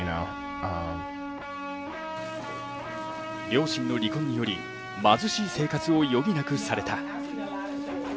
両親の離婚により貧しい生活を余儀なくされた。